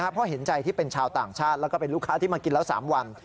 เพราะเห็นใจที่เป็นชาวต่างชาติแล้วก็เป็นลูกค้าที่มากินแล้ว๓วัน